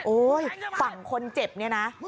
โอ๊ยฝั่งคนเจ็บนี้นะ